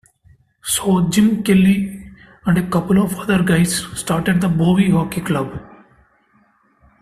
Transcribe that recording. So Jim Kelly and a couple of other guys started the Bowie Hockey Club.